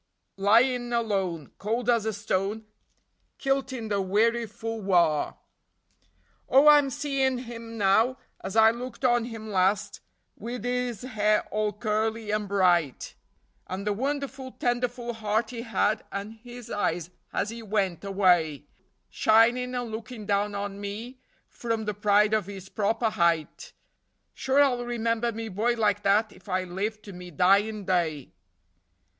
Lyin' alone, cold as a stone, kilt in the weariful wahr. Oh, I'm seein' him now as I looked on him last, wid his hair all curly and bright, And the wonderful, tenderful heart he had, and his eyes as he wint away, Shinin' and lookin' down on me from the pride of his proper height: Sure I'll remember me boy like that if I live to me dyin' day."